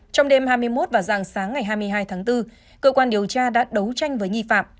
trong đêm hai mươi một và dạng sáng ngày hai mươi hai tháng bốn cơ quan điều tra đã đấu tranh với nghi phạm